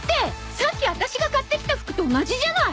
さっきワタシが買ってきた服と同じじゃない！